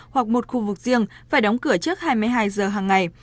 hoặc một khu vực riêng phải đóng cửa trước hai mươi hai giờ hàng ngày